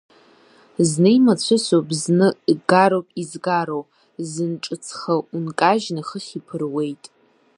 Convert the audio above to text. Зны имацәысуп, зны гароуп изгароу, зын ҿыцха ункажьны хыхь иԥыруеит.